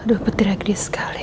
aduh petir agni sekali